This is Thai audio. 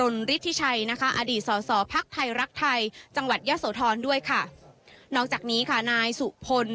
นอกจากนี้นายสุพลสถานทหาร